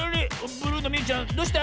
ブルーのみゆちゃんどうした？